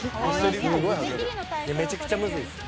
「すごい迫力」「めちゃくちゃむずいです」